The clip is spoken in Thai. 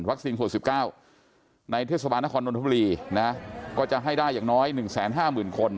ขวด๑๙ในเทศบาลนครนนทบุรีนะก็จะให้ได้อย่างน้อย๑๕๐๐๐คน